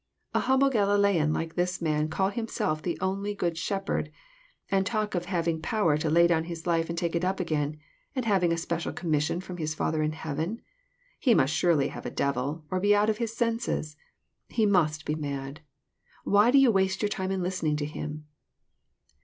a humble Galilean like this Man call Himself the only good Shepherd, and talk of having power to lay down His life and take it again, and of having a special commission Arom His Father in heaven. He must surely have a devil, or be out of His senses. He must be mad. Why do you waste your time in listening to Him